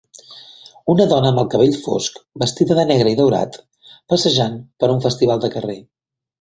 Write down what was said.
Una dona amb el cabell fosc vestida de negre i daurat passejant per un festival de carrer.